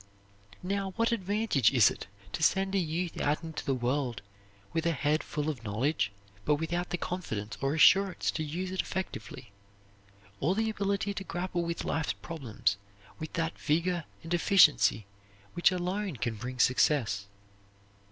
Now, what advantage is it to send a youth out into the world with a head full of knowledge but without the confidence or assurance to use it effectively, or the ability to grapple with life's problems with that vigor and efficiency which alone can bring success?